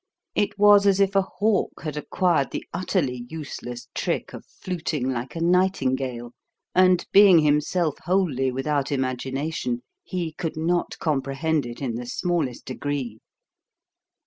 It was as if a hawk had acquired the utterly useless trick of fluting like a nightingale, and being himself wholly without imagination, he could not comprehend it in the smallest degree.